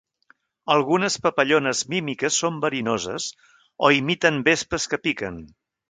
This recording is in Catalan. Algunes papallones mímiques són verinoses, o imiten vespes que piquen.